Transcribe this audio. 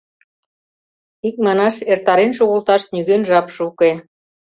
Икманаш, эртарен шогылташ нигӧн жапше уке.